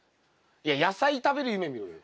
いや野菜食べる夢見ろよ。